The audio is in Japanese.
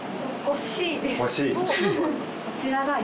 こちらが。